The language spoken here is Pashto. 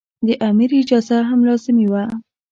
د امیر اجازه هم لازمي وه.